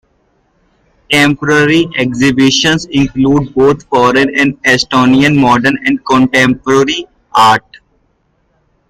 Temporary exhibitions include both foreign and Estonian modern and contemporary art.